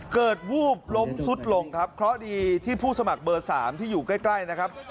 วูบล้มซุดลงครับเคราะห์ดีที่ผู้สมัครเบอร์๓ที่อยู่ใกล้นะครับ